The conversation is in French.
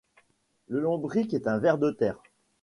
le lombric est un ver de terre